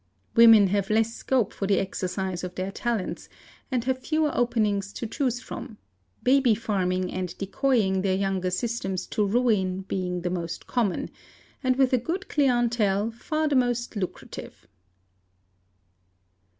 Women have less 7 scope for the exercise of their talents, and have fewer openings to choose _ from—baby farming and decoying their younger sisters to ruin being the ' most common, and with a good clientéle far the most lucrative."